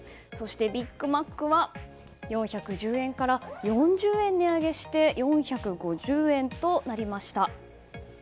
ビッグマックは４１０円から４０円値上げして４５０円となりました。